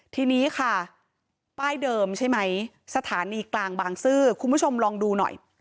ทีนี้ค่ะป้ายเดิมใช่ไหมสถานีกลางบางซื่อคุณผู้ชมลองดูหน่อย